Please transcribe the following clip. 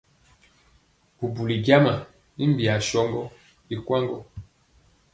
Bubuli jama i biyaa sɔndɔ i kwaŋ gɔ.